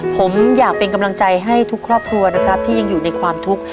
ผมอยากเป็นกำลังใจให้ทุกครอบครัวนะครับที่ยังอยู่ในความทุกข์